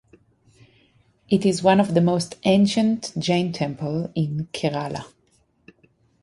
It is one of the most ancient Jain temple in Kerala.